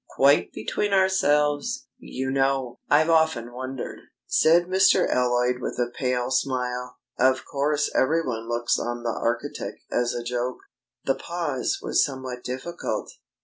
Quite between ourselves, you know! I've often wondered." Said Mr. Alloyd with a pale smile: "Of course everyone looks on the architect as a joke!" The pause was somewhat difficult.